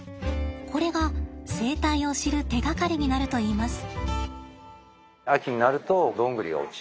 これが生態を知る手がかりになるといいます。